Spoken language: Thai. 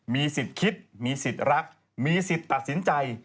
มีสิทธิ์คิดมีสิทธิ์รักมีสิทธิ์ตัดสินใจ